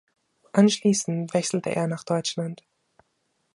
Anschließend wechselte er nach Deutschland.